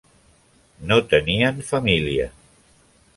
No tenien família.